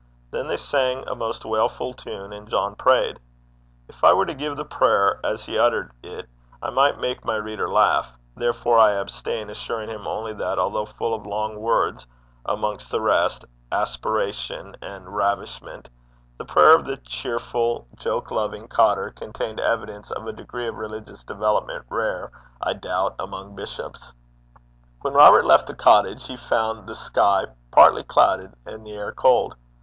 Then they sang a most wailful tune, and John prayed. If I were to give the prayer as he uttered it, I might make my reader laugh, therefore I abstain, assuring him only that, although full of long words amongst the rest, aspiration and ravishment the prayer of the cheerful, joke loving cottar contained evidence of a degree of religious development rare, I doubt, amongst bishops. When Robert left the cottage, he found the sky partly clouded and the air cold.